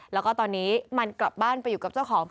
แล้วก็ตอนนี้มันกลับบ้านไปอยู่กับเจ้าของ